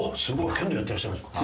剣道やってらっしゃるんですか。